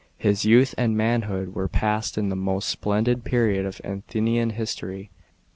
His youth and manhood were passed in the most splendid period of Athenian history.